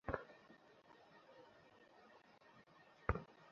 আমার পুরানো বন্ধু স্পাইডার-ম্যান।